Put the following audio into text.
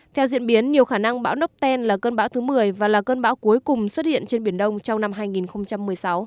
theo diễn biến nhiều khả năng bão npten là cơn bão thứ một mươi và là cơn bão cuối cùng xuất hiện trên biển đông trong năm hai nghìn một mươi sáu